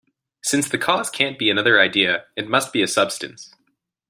Since the cause can't be another idea, it must be a substance.